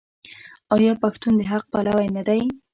آیا پښتون د حق پلوی نه دی؟